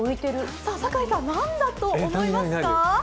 酒井さん、何だと思いますか？